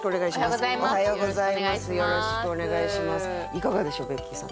いかがでしょうベッキーさん